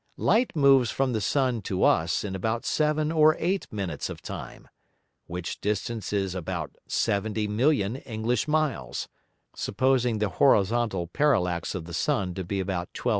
Light moves from the Sun to us in about seven or eight Minutes of Time, which distance is about 70,000,000 English Miles, supposing the horizontal Parallax of the Sun to be about 12´´.